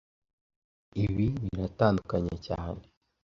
Ibi biratandukanye cyane